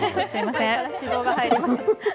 指導が入りました。